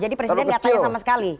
jadi presiden enggak tanya sama sekali